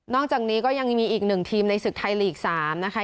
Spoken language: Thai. อกจากนี้ก็ยังมีอีกหนึ่งทีมในศึกไทยลีก๓นะคะ